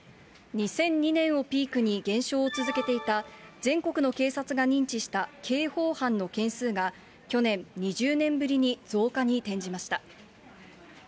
２００２年をピークに減少を続けていた、全国の警察が認知した刑法犯の件数が去年、２０年ぶりに増加に転じました。